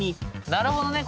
なるほどね。